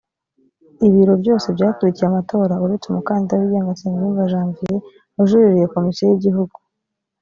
ibiro byose byakurikiye amatora uretse umukandida wigenga nsengiyumva janvier wajuririye komisiyo y’igihugu